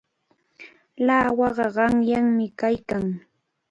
Lawaqa qamyami kaykan.